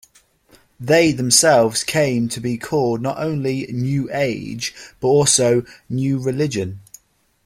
They themselves came to be called not only "New Age" but also "new religion".